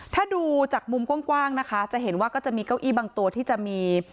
ถ้าดูจากมุมกว้างนะคะจะเห็นว่าก็จะมีเก้าอี้บางตัวที่จะมี